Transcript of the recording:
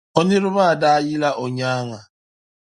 O niraba maa daa yila o nyaaŋa.